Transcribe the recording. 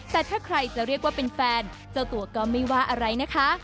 แต่ถ้าใครจะเรียกว่าเป็นแฟนเจ้าตัวก็ไม่ว่าอะไรนะคะ